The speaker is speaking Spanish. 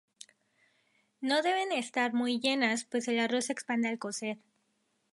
No deben estar muy llenas pues el arroz se expande al cocer.